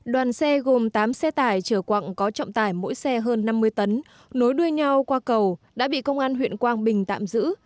đoàn xe gồm tám xe tải chở quặng có trọng tải mỗi xe hơn năm mươi tấn nối đuôi nhau qua cầu đã bị công an huyện quang bình tạm giữ